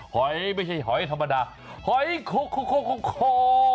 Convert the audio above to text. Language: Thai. หอยไม่ใช่หอยธรรมดาหอยคก